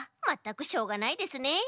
まったくしょうがないですね。